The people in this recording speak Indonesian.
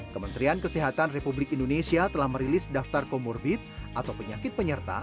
kementerian kesehatan republik indonesia telah merilis daftar komorbit atau penyakit penyerta